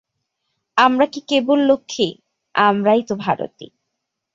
আমরা কি কেবল লক্ষ্মী, আমরাই তো ভারতী।